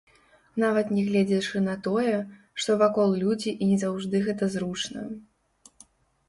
Нават нягледзячы на тое, што вакол людзі і не заўжды гэта зручна.